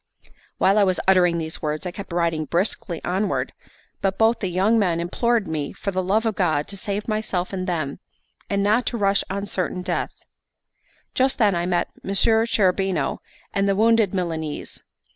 While I was uttering these words, I kept riding briskly onward; but both the young men implored me for the love of God to save myself and them, and not to rush on certain death. Just then I met Messer Cherubino and the wounded Milanese.